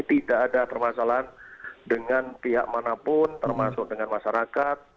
tidak ada permasalahan dengan pihak manapun termasuk dengan masyarakat